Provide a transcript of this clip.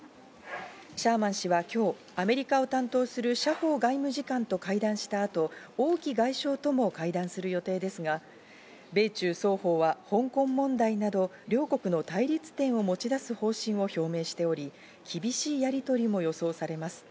シャーマン氏は今日、アメリカを担当するシャ・ホウ外務次官と会談した後、オウ・キ外相とも会談する予定ですが、米中双方は香港問題など両国の対立点を持ち出す方針を表明しており、厳しいやりとりも予想されます。